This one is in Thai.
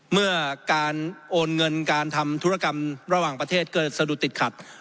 เมื่อการโอนเงินการทำธุรกรรมระหว่างประเทศเกิดสะดุดติดขัด